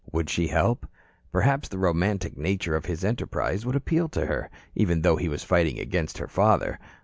Would she help? Perhaps the romantic nature of his enterprise would appeal to her, even though he was fighting against her father.